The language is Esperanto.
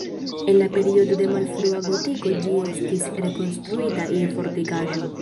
En la periodo de malfrua gotiko ĝi estis rekonstruita je fortikaĵo.